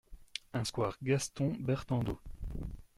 un square Gaston Bertandeau